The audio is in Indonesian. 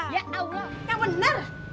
ya allah yang bener